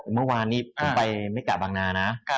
เมื่อวานนี้ผมไปไม่กะบางนานะ